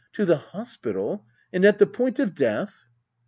To the hospital ! And at the point of death